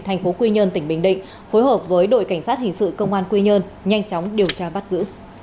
thành phố quy nhơn tỉnh bình định phối hợp với đội cảnh sát hình sự công an quy nhơn nhanh chóng điều tra bắt giữ